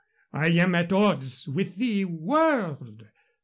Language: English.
I am at odds with the world.